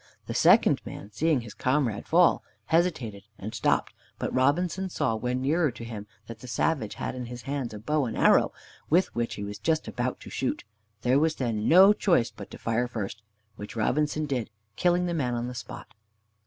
The second man, seeing his comrade fall, hesitated, and stopped, but Robinson saw when nearer to him that the savage had in his hands a bow and arrow with which he was just about to shoot. There was then no choice but to fire first, which Robinson did, killing the man on the spot.